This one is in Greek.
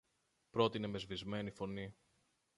πρότεινε με σβησμένη φωνή.